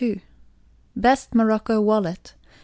BEST MOROCCO WALLET.